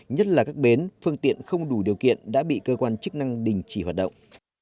nhất là các bến phương tiện không đủ điều kiện đã bị cơ quan chức năng đình chỉ hoạt động